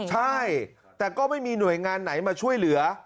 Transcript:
ใช่แต่ก็ไม่มีหน่วยงานไหนมาช่วยเหลือ